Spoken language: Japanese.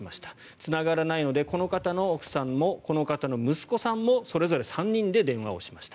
つながらないのでこの方の奥さんもこの方の息子さんもそれぞれ３人で電話をしました。